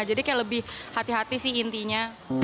kayak lebih hati hati sih intinya